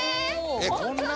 えっこんな？